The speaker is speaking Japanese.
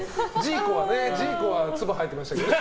ジーコはつば吐いてましたけどね。